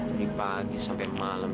dari pagi sampai malam